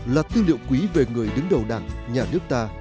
là tư liệu quý về người đứng đầu đảng nhà nước ta